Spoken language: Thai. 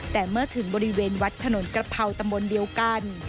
แต่เมื่อถึงบริเวณวัดถนนกระเพราตำบลเดียวกัน